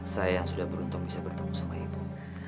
saya yang sudah beruntung bisa bertemu sama ibu